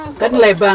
itu kan pidan